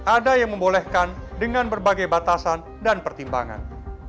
ada yang membolehkan dengan berbagai batasan dan pertimbangan